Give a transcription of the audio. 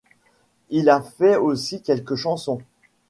Il a fait aussi quelques chansons.